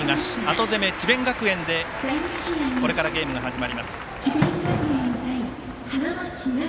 後攻め、智弁学園でこれからゲームが始まります。